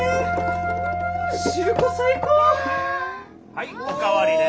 はいお代わりね。